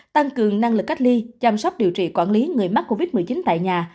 tăng cường năng lực cách ly chăm sóc điều trị quản lý người mắc covid một mươi chín tại nhà